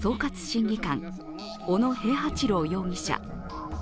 審議官、小野平八郎容疑者。